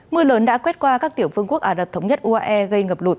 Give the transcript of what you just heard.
mưa lớn đã quét qua các tiểu vương quốc ả rập thống nhất uae gây ngập lụt